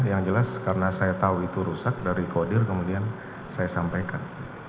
yang jelas karena saya tahu itu rusak dari kodir kemudian saya sampaikan